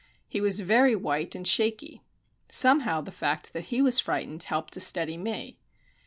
He was very white and shaky. Somehow, the fact that he was frightened helped to steady me.